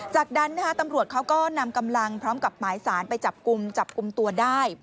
จากนั้นตำรวจเขาก็นำกำลังพร้อมกับหมายสารไปจับกลุ่มจับกลุ่มตัวได้